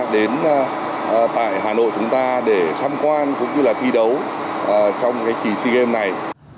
đến tại hà nội chúng ta để tham quan cũng như là thi đấu trong cái kỳ sea games này